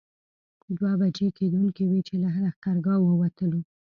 دوه بجې کېدونکې وې چې له لښکرګاه ووتلو.